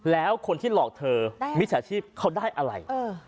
แล้วคนที่หลอกเธอมิจฉาชีพเขาได้อะไร